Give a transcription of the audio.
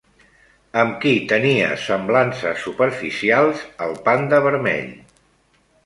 Amb qui tenia semblances superficials el panda vermell?